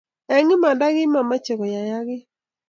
Eng imanda kimameche koyayak gii